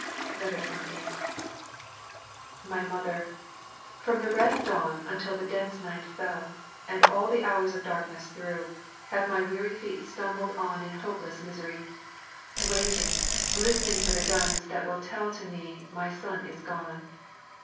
28 My Mother, From the red dawn until the dense night fell, and all the hours of darkness through, have my weary feet stumbled on in hopeless misery, waiting, listening for the guns that will tell to me my son is gone.